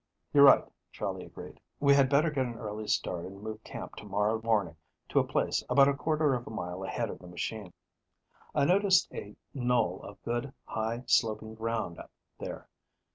"You're right," Charley agreed. "We had better get an early start and move camp to morrow morning to a place about a quarter of a mile ahead of the machine. I noticed a knoll of good, high sloping ground there.